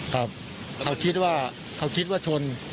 ครับเขาคิดว่าชน